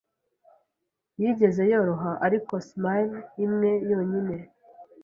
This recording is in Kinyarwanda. yigeze yoroha Ariko Smile imwe yonyine